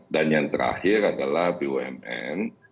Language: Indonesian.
dan yang terakhir adalah bumn